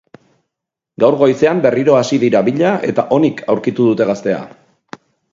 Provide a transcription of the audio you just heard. Gaur goizean berriro hasi dira bila eta onik aurkitu dute gaztea.